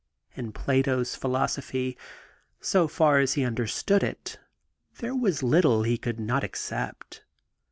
In Plato's philosophy — so far as he understood it — ^there was little he could not ac cept.